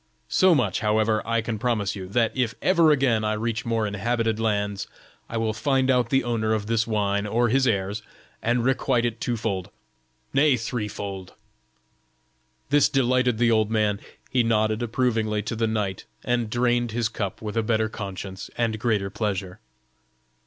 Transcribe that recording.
So much, however, I can promise you, that if ever again I reach more inhabited lands, I will find out the owner of this wine or his heirs, and requite it twofold, nay, threefold." This delighted the old man; he nodded approvingly to the knight, and drained his cup with a better conscience and greater pleasure.